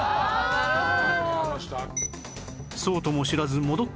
なるほど。